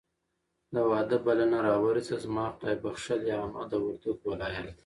د واده بلنه راورسېده. زما خدایبښلې عمه د وردګو ولایت